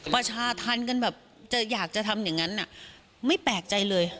ประชาธรรมกันแบบจะอยากจะทำอย่างนั้นไม่แปลกใจเลย